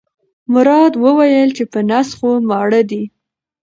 مراد وویل چې په نس خو ماړه دي.